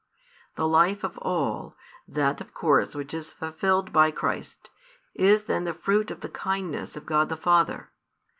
The life of all, that of course which is fulfilled by Christ, is then the fruit of the kindness of God the Father.